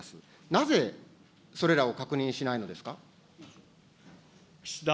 なぜ、それらを確認しないのです岸田